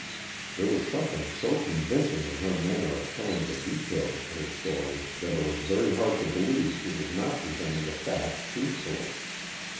There was something so convincing in her manner of telling the details of her story that it was very hard to believe she was not presenting the facts truthfully.